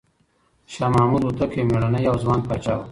شاه محمود هوتک یو مېړنی او ځوان پاچا و.